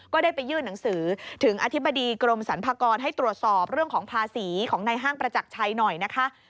ก็ได้ไปยื่นหนังสือถึงอธิบดีกรมสรรพากรให้ตรวจสอบเรื่องของภาษีของในห้างประจักรชัยหน่อยนะคะ